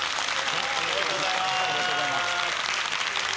ありがとうございます。